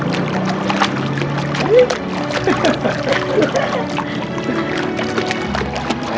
airnya gak seram juga